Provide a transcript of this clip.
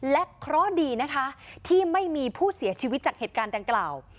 และเคราะห์ดีนะคะที่ไม่มีผู้เสียชีวิตจากเหตุการณ์ดังกล่าว